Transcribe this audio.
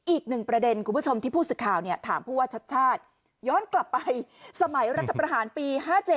อีกหนึ่งประเด็นคุณผู้ชมที่ผู้สื่อข่าวถามผู้ว่าชัดชาติย้อนกลับไปสมัยรัฐประหารปี๕๗